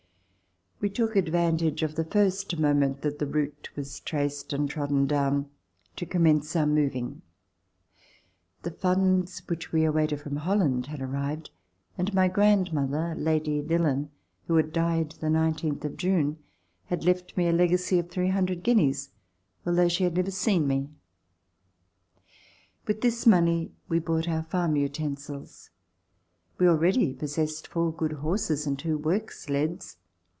We took advantage of the first moment that the route was traced and trodden down to commence our moving. The funds which we awaited from Hol land had arrived and my grandmother. Lady Dillon, who had died the nineteenth of June, had left me a legacy of 300 guineas, although she had never seen RECOLLECTIONS OF THE REVOLUTION me. With this money we bought our farm utensils. We already possessed four good horses and two work sleds.